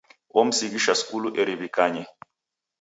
Omsighisha skulu eri w'ikanye.